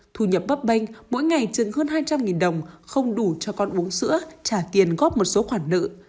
thu nhập bắp banh mỗi ngày chừng hơn hai trăm linh đồng không đủ cho con uống sữa trả tiền góp một số khoản nợ